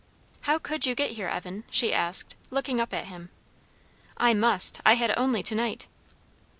"How could you get here, Evan?" she asked, looking up at him. "I must, I had only to night."